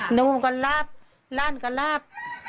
หนูก็รับหลานก็รับ